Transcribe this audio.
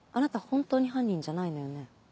本当に犯人じゃないのよね？